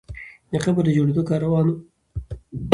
د قبر د جوړېدو کار روان وو.